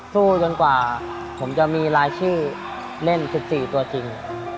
สู้จนกว่าผมจะมีรายชื่อเล่น๑๔ตัวจริง